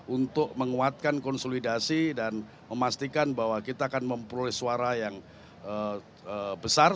untuk menguatkan konsolidasi dan memastikan bahwa kita akan memperoleh suara yang besar